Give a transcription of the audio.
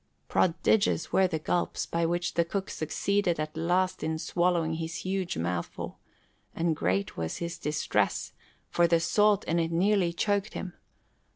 Prodigious were the gulps by which the cook succeeded at last in swallowing his huge mouthful, and great was his distress, for the salt in it nearly choked him.